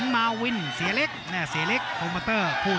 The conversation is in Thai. โหโหโหโหโหโหโหโห